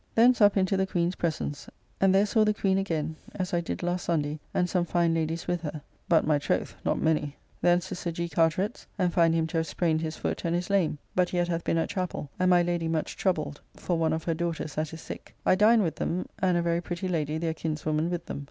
Thence up into the Queen's presence, and there saw the Queen again as I did last Sunday, and some fine ladies with her; but, my troth, not many. Thence to Sir G. Carteret's, and find him to have sprained his foot and is lame, but yet hath been at chappell, and my Lady much troubled for one of her daughters that is sick. I dined with them, and a very pretty lady, their kinswoman, with them.